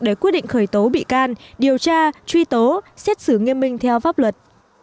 để quyết định khởi tố bị can điều tra truy tố xét xử nghiêm minh theo pháp luật